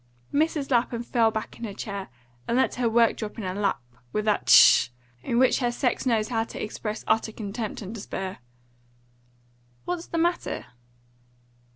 Mrs. Lapham fell back in her chair, and let her work drop in her lap with that "Tckk!" in which her sex knows how to express utter contempt and despair. "What's the matter?"